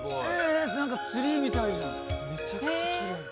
え何かツリーみたいじゃん。